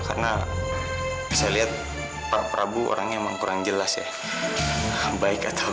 karena rasanya patah hati itu